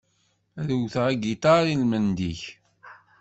Ad uteɣ agitar i-lmend-ik.